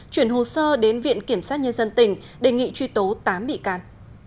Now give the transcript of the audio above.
chuyển hồ sơ đến viện kiểm sát nhân dân tỉnh đề nghị truy tố tám bị can